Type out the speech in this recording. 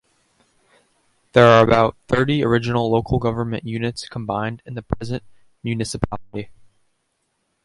There are about thirty original local government units combined in the present municipality.